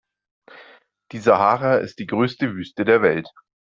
Die Sahara ist die größte Wüste der Welt.